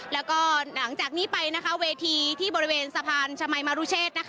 แล้วก็หลังจากนี้ไปเวทีที่บริเวณสะพานชมัยมรุเชษ